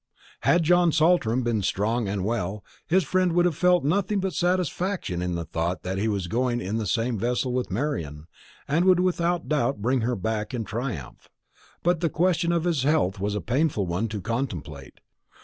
Had John Saltram been strong and well, his friend would have felt nothing but satisfaction in the thought that he was going in the same vessel with Marian, and would without doubt bring her back in triumph. But the question of his health was a painful one to contemplate.